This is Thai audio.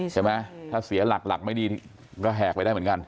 ใช่ไหมถ้าเสียหลักหลักไม่ดีก็แหกไปได้เหมือนกัน